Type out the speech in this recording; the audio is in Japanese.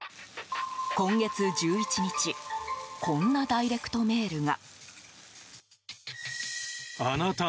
今月１１日こんなダイレクトメールが。